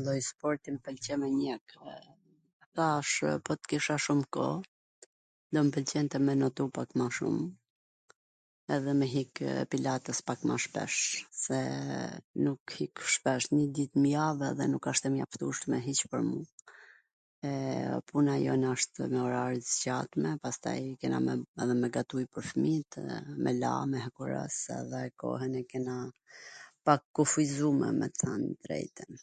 Ndonj sport qw m pwlqen mw mir... Thash, po t kisha ma shum koh do m pwlqente me notu pak ma shum edhe me hikw pilates pak ma shpesh, se nuk hik shpesh, nji dit n jav edhe nuk wsht e mjaftushme hiC pwr mu, edhe puna jon asht me orare t zgjatme, pastaj kena edhe me gatujt pwr fmijt edhe me la, me hekuros, edhe kohwn e kena pak t kufizume me than t drejtwn.